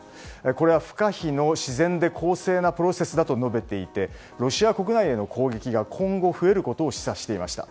これは不可避の自然で公正なプロセスだと述べていてロシア国内への攻撃が今後、増えることを示唆していました。